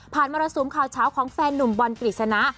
ผ่านมาระสุมข่าวเช้าของแฟนนุ่มบรรกฤษณะ